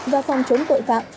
và phòng chống tội phạm